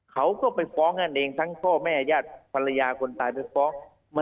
เขาก็ไปฟ้องกันเองทั้งก็ไม่อาญาภรรรยากลตายไปฟ้อง